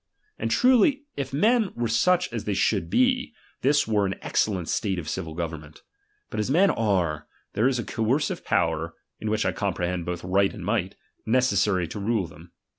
And truly, if men were such I as they should be, this were an excellent state of I civil government ; but as men are, there is a coer I cive power {in which I comprehend both right and I might) necessary to rule them.